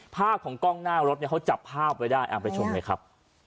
ภาพของกล้องหน้ารถเนี่ยเขาจับภาพไว้ได้ไปชมเลยครับ